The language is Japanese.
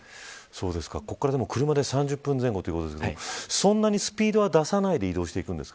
ここから車で３０分前後ということですがそんなにスピードを出さないで移動していくんですか。